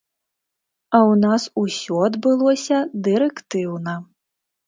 А ў нас усё адбылося дырэктыўна.